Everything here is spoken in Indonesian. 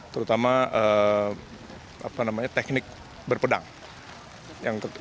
terutama teknik berat